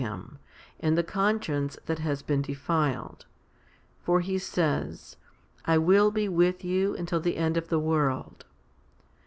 Him, and the conscience that has been defiled, for He says, / will be with you until the end of the world.